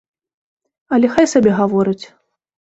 Але хай сабе гаворыць.